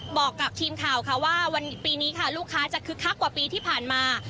บอกกับทีมข่าวค่ะว่าปีนี้ค่ะลูกค้าจะคึกคักกว่าปีที่ผ่านมา